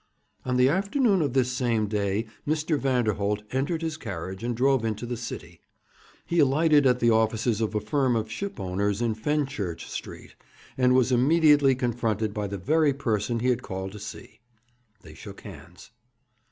On the afternoon of this same day Mr. Vanderholt entered his carriage and drove into the City. He alighted at the offices of a firm of shipowners in Fenchurch Street, and was immediately confronted by the very person he had called to see. They shook hands.